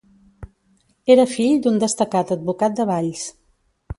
Era fill d'un destacat advocat de Valls.